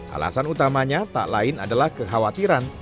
alasan utamanya tak lain adalah kekhawatiran